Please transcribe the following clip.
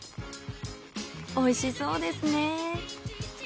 おいしそうですね。